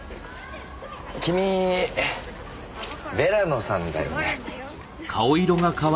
君ヴェラノさんだよね？